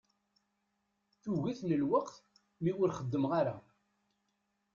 Tuget n lewqat mi ur xeddmeɣ ara.